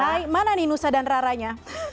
hai mana nih nusa dan raranya